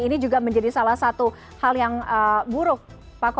ini juga menjadi salah satu hal yang harus kita lakukan